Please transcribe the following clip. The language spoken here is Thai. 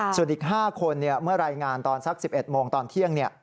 ส่วนอีก๕คนเมื่อรายงานตอนสัก๑๑โมงตอนเที่ยง